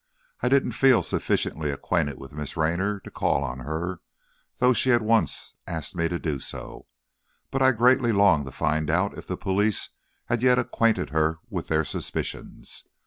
I didn't feel sufficiently acquainted with Miss Raynor to call on her, though she had once asked me to do so, but I greatly longed to find out if the police had yet acquainted her with their suspicions.